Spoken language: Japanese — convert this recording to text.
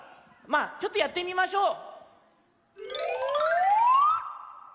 まあちょっとやってみましょう。